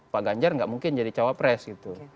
pak ganjar gak mungkin jadi cawapres gitu